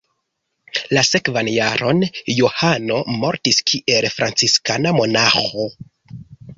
La sekvan jaron Johano mortis kiel franciskana monaĥo.